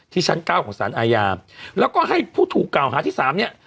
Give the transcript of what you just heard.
ชั้นเก้าของสารอาญาแล้วก็ให้ผู้ถูกกล่าวหาที่สามเนี่ย